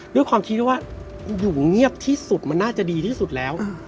ด้วยความคิดว่าอยู่เงียบที่สุดมันน่าจะดีที่สุดแล้ว